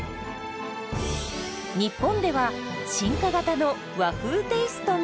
日本では進化型の和風テイストも！